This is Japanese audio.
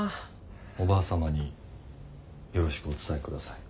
おばあ様によろしくお伝えください。